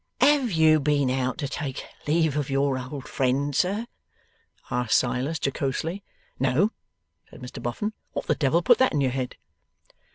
'Have you been out to take leave of your old friend, sir?' asked Silas, jocosely. 'No,' said Mr Boffin. 'What the devil put that in your head?